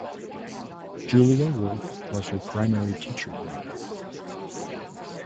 Julia Wolfe was her primary teacher there.